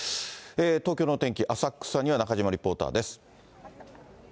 東京のお天気、浅草には中島リポーターです。